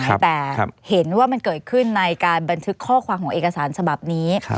แต่เห็นว่ามันเกิดขึ้นในการบันทึกข้อความของเอกสารฉบับนี้